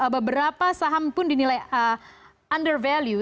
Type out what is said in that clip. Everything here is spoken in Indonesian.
beberapa saham pun dinilai under value